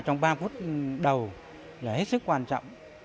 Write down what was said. công tác phòng cháy cháy trong ba phút đầu là hết sức quan trọng